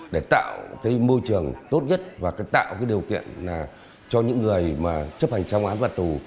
để tạo môi trường tốt nhất và tạo điều kiện cho những người mà chấp hành trong án vật tù